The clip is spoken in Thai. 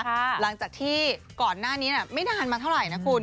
หลังจากที่ก่อนหน้านี้ไม่นานมาเท่าไหร่นะคุณ